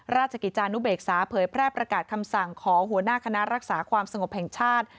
ราชกิจจานุเบกษาเผยแพร่ประกาศคำสั่งของหัวหน้าคณะรักษาความสงบแห่งชาติ